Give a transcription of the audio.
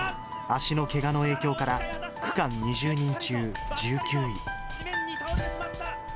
足のけがの影響から、区間２０人中１９位。